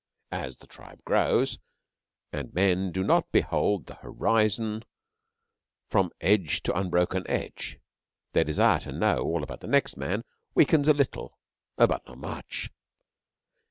As the tribe grows, and men do not behold the horizon from edge to unbroken edge, their desire to know all about the next man weakens a little but not much.